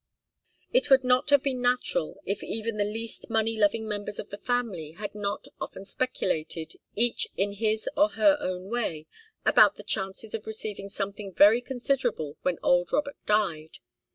It would not have been natural if even the least money loving members of the family had not often speculated, each in his or her own way, about the chances of receiving something very considerable when old Robert died.